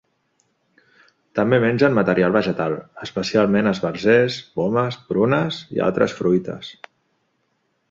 També mengen material vegetal, especialment esbarzers, pomes, prunes i altres fruites.